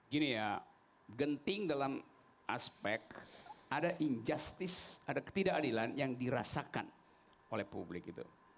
gini ya genting dalam aspek ada injustice ada ketidakadilan yang dirasakan oleh publik itu